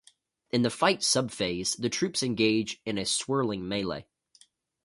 In the fight sub-phase, the troops engage in a 'swirling melee'.